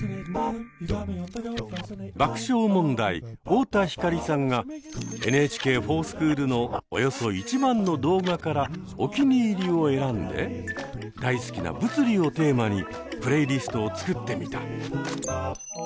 爆笑問題太田光さんが「ＮＨＫｆｏｒＳｃｈｏｏｌ」のおよそ１万の動画からおきにいりを選んで大好きな「物理」をテーマにプレイリストを作ってみた。